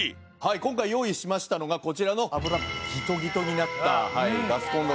今回用意しましたのがこちらの油ギトギトになったガスコンロなんですけども。